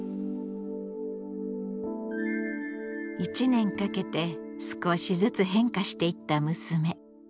１年かけて少しずつ変化していった娘。